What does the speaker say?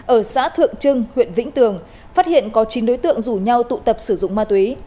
ở xã thượng trưng huyện vĩnh tường phát hiện có chín đối tượng rủ nhau tụ tập sử dụng ma túy